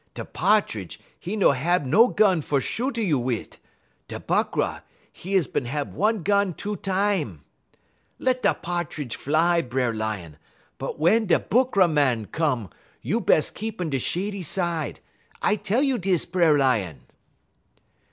Da Pa'tridge, 'e no hab no gun fer shoot a you wit'; da Buckra, 'e is bin hab one gun two tam. Let da Pa'tridge fly, B'er Lion; but wun da Buckra Man come you bes' keep in de shady side. I tell you dis, B'er Lion.'